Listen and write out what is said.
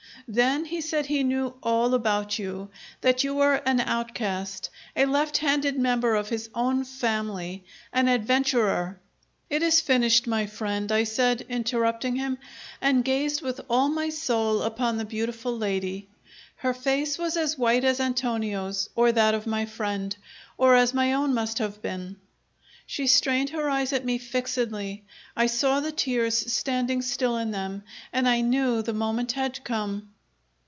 Then he said he knew all about you; that you were an outcast, a left handed member of his own family, an adventurer " "It is finished, my friend," I said, interrupting him, and gazed with all my soul upon the beautiful lady. Her face was as white as Antonio's or that of my friend, or as my own must have been. She strained her eyes at me fixedly; I saw the tears standing still in them, and I knew the moment had come.